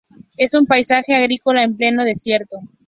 Es un paisaje agrícola en pleno desierto.